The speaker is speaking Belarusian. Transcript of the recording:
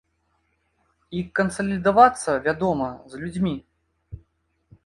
І кансалідавацца, вядома, з людзьмі.